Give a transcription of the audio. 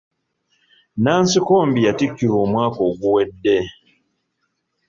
Nansikombi yatikkirwa omwaka oguwedde.